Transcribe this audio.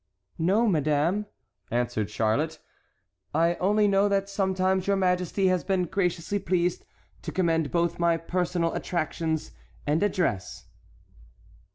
"No, madame," answered Charlotte; "I only know that sometimes your majesty has been graciously pleased to commend both my personal attractions and address."